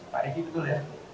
pak eki betul ya